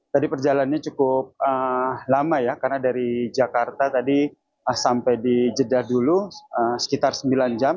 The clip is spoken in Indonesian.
tadi perjalanannya cukup lama ya karena dari jakarta tadi sampai di jeddah dulu sekitar sembilan jam